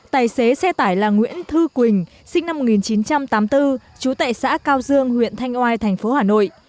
tài xế xe tải là nguyễn thư quỳnh sinh năm một nghìn chín trăm tám mươi bốn trú tại xã cao dương huyện thanh oai tp hà nội